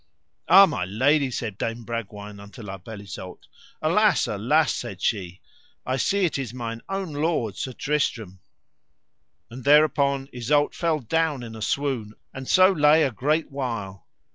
Ah, my lady, said Dame Bragwaine unto La Beale Isoud, alas, alas, said she, I see it is mine own lord, Sir Tristram. And thereupon Isoud fell down in a swoon, and so lay a great while.